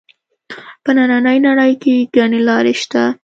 په نننۍ نړۍ کې ګڼې لارې شته